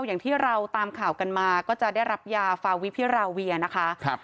อย่างที่เราตามข่าวกันมาก็จะได้รับยาฟาวิพิราเวียนะคะ